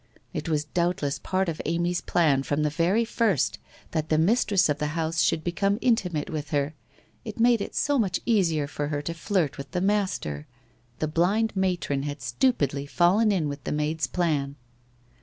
It was doubtless part of Amy's plan from the very first that the mistress of the house should become intimate with her, it made it so much easier for her to flirt with the master. The blind matron had stupidly fallen in with the maid's plan.